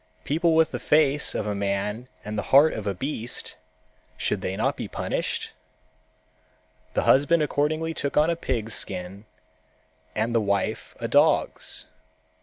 People with the face of a man and the heart of a beast, should they not be punished?" The husband accordingly took on a pig's skin and the wife a dog's.